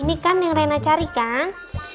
ini kan yang reyna cari kan